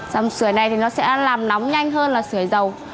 dòng sửa này thì nó sẽ làm nóng nhanh hơn là sửa dầu